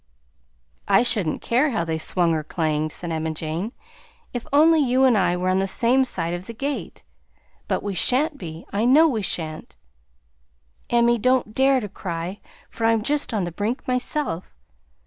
"I shouldn't care how they swung or clanged," said Emma Jane, "if only you and I were on the same side of the gate; but we shan't be, I know we shan't!" "Emmie, don't dare to cry, for I'm just on the brink myself!